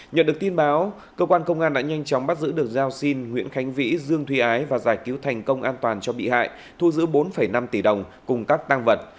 nhận được tin báo cơ quan công an đã nhanh chóng bắt giữ được giao xin nguyễn khánh vĩ dương thúy ái và giải cứu thành công an toàn cho bị hại thu giữ bốn năm tỷ đồng cùng các tăng vật